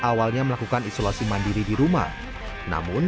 awalnya melakukan isolasi mandiri di rumah namun